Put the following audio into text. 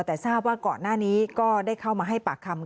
แต่ทราบว่าก่อนหน้านี้ก็ได้เข้ามาให้ปากคำ